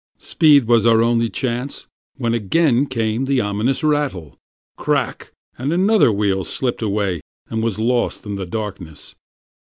Speed was our only chance, when again came the ominous rattle: Crack, and another wheel slipped away, and was lost in the darkness.